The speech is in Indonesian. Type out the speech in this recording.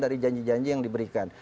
dari janji janji yang diberikan